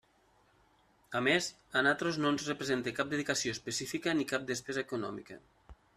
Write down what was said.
A més, a nosaltres no ens representa cap dedicació específica ni cap despesa econòmica.